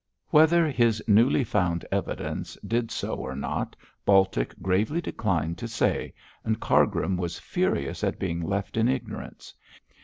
Whether his newly found evidence did so or not, Baltic gravely declined to say, and Cargrim was furious at being left in ignorance.